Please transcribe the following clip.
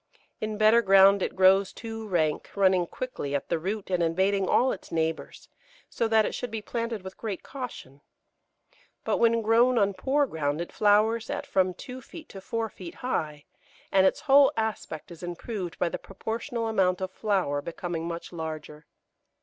In better ground it grows too rank, running quickly at the root and invading all its neighbours, so that it should be planted with great caution; but when grown on poor ground it flowers at from two feet to four feet high, and its whole aspect is improved by the proportional amount of flower becoming much larger.